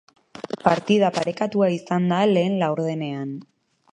Partida parekatua izan da lehen laurdenean.